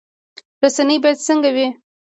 رسنۍ باید څنګه وي؟